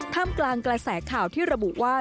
กลางกระแสข่าวที่ระบุว่า